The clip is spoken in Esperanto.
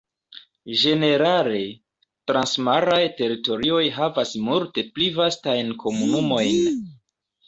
Ĝenerale, transmaraj teritorioj havas multe pli vastajn komunumojn.